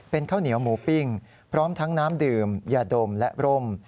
เป็นข้าวเหนียวหมูปิ้งพร้อมทั้งน้ำดื่มยาดมและร่ม